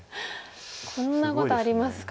こんなことありますか？